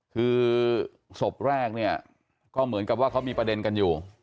คือศพแรกเนี่ยก็เหมือนกับว่าเขามีประเด็นกันอยู่